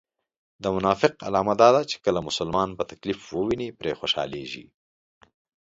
د منافق علامه دا ده چې کله مسلمان په تکليف و ويني پرې خوشحاليږي